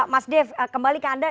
mas dev kembali ke anda